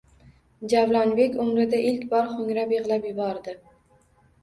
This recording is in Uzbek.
Javlonbek umrida ilk bor xo’ngrab yig’lab yubordi.